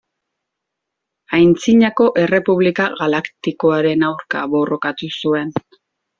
Antzinako Errepublika Galaktikoaren aurka borrokatu zuen.